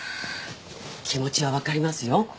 気持ちは分かりますよ